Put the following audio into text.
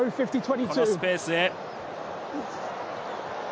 このスペースへ。